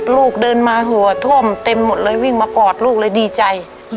ลูกเดินมาหัวท่วมเต็มหมดเลยวิ่งมากอดลูกเลยดีใจ